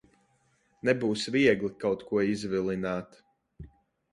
Nebūs viegli kaut ko izvilināt.